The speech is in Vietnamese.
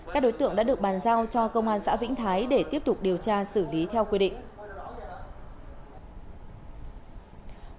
các đối tượng đã được bàn giao cho công an xã vĩnh thái để tiếp tục điều tra xử lý theo quy định